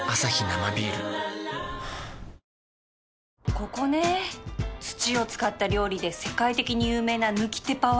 ここね土を使った料理で世界的に有名なヌキテパは